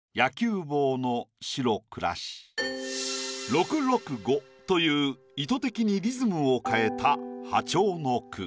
６・６・５という意図的にリズムを変えた破調の句。